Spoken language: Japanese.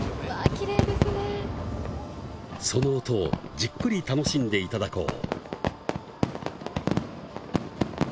その音をじっくり楽しんでいただこう。